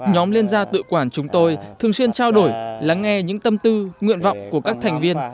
nhóm liên gia tự quản chúng tôi thường xuyên trao đổi lắng nghe những tâm tư nguyện vọng của các thành viên